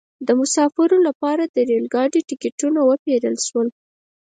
د مسافرینو لپاره د ریل ګاډي ټکټونه وپیرل شول.